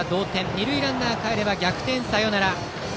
二塁ランナーかえれば逆転サヨナラ。